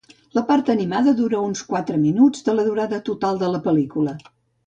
La part animada dura uns quatre minuts de la durada total de la pel·lícula.